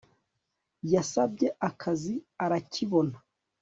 yasabye akazi arakibona